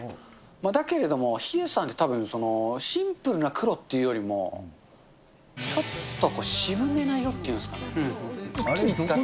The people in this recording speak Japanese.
だけれども、ヒデさんってたぶん、シンプルな黒っていうよりも、ちょっと渋めな色っていうんですかね。